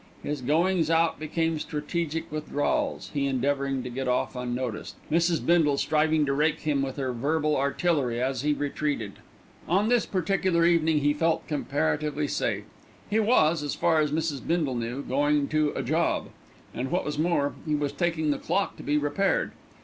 His goings out became strategical withdrawals, he endeavouring to get off unnoticed, Mrs. Bindle striving to rake him with her verbal artillery as he retreated. On this particular evening he felt comparatively safe. He was, as far as Mrs. Bindle knew, going to "a job," and, what was more, he was taking the clock to be repaired.